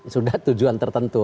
sudah tujuan tertentu